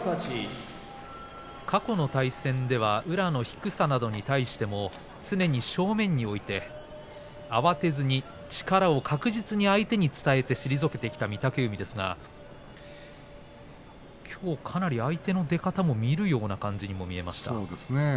過去の対戦では宇良の低さなどに対して常に正面に置いて慌てずに力を確実に相手に伝えて退けてきた御嶽海ですがきょう、かなり相手の出方を見るような感じに見えましたね。